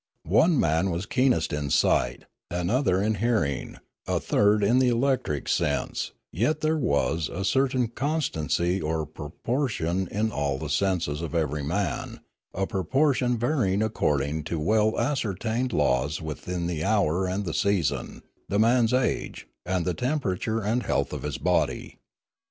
One man was keenest in sight, another in hearing, a third in the electric sense, yet there was a certain constancy or proportion in all the senses of every man, a proportion varying according to well as certained laws with the hour and the season, the man's age, and the temperature and health of his body.